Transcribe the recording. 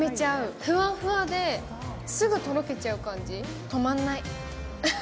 ふわふわですぐとろけちゃう感じ、止まらない。